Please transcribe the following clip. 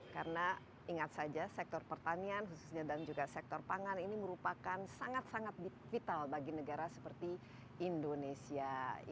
karena ingat saja sektor pertanian dan juga sektor pangan ini merupakan sangat sangat vital bagi negara seperti indonesia